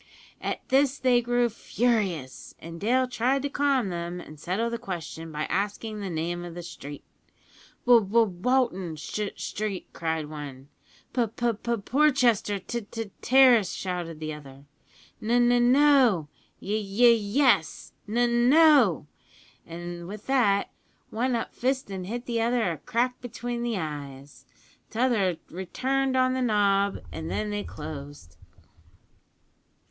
"At this they grew furious, and Dale tried to calm them and settle the question by asking the name of the street. "`W W Walton S Street!' cried one. "`P P P Porchester T T Terrace!' shouted the other. "`N N No!' `Y Y Yes!' `N No!' an' with that, one up fist an' hit the other a crack between the eyes. T'other returned on the nob, and then they closed.